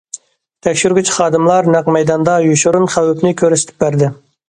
تەكشۈرگۈچى خادىملار نەق مەيداندا يوشۇرۇن خەۋپنى كۆرسىتىپ بەردى.